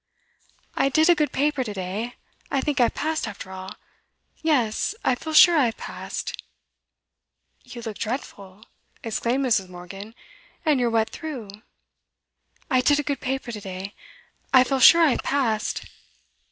'I did a good paper to day I think I've passed after all yes, I feel sure I've passed!' 'You look dreadful,' exclaimed Mrs. Morgan. 'And you're wet through ' 'I did a good paper to day I feel sure I've passed!